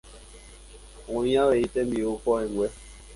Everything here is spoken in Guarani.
Oĩ avei tembi'u ko'ẽngue